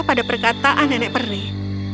pada perkataan nenek perih